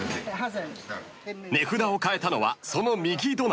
［値札を変えたのはその右隣］